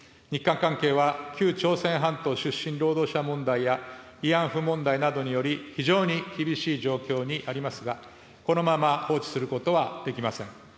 日韓関係は、旧朝鮮半島出身労働者問題や、慰安婦問題などにより、非常に厳しい状況にありますが、このまま放置することはできません。